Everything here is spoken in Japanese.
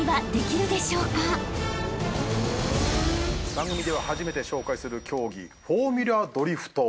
番組では初めて紹介する競技フォーミュラドリフトなんですが。